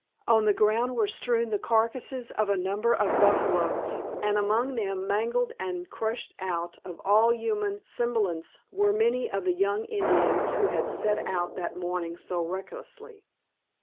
On the ground were strewn the carcasses of a number of buffaloes, and among them, mangled and crushed out of all human semblance, were many of the young Indians who had set out that morning so recklessly.